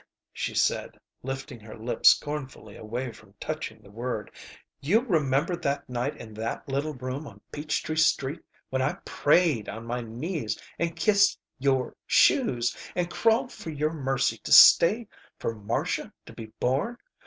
she said, lifting her lips scornfully away from touching the word. "You remember that night in that little room on Peach Tree Street when I prayed on my knees and kissed your shoes and crawled for your mercy to stay for Marcia to be born?